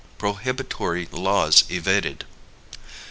Prohibitory Laws Evaded.